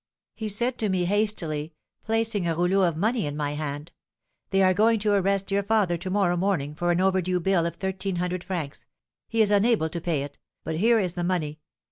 He said to me hastily, placing a rouleau of money in my hand, 'They are going to arrest your father to morrow morning for an over due bill of thirteen hundred francs; he is unable to pay it; but here is the money.